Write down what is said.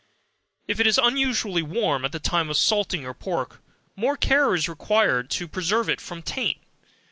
When the weather is unusually warm at the time of salting your pork, more care is requisite to preserve it from taint.